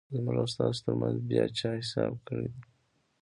زموږ او ستاسو ترمنځ بیا چا حساب کړیدی؟